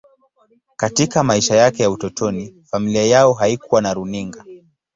Katika maisha yake ya utotoni, familia yao haikuwa na runinga.